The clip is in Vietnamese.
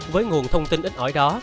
với nguồn thông tin ít ỏi đó